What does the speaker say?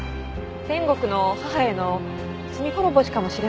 天国の母への罪滅ぼしかもしれません。